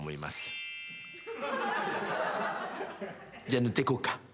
じゃ塗ってこうか。